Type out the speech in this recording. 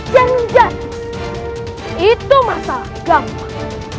janjian itu masalah gampang